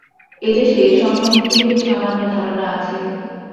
এদেশে এ-সম্বন্ধে সামান্য ধারণা আছে।